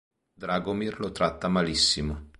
Dragomir lo tratta malissimo.